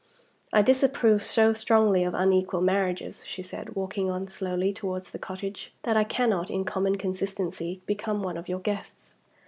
"I disapprove so strongly of unequal marriages," she said, walking on slowly towards the cottage, "that I cannot, in common consistency, become one of your guests.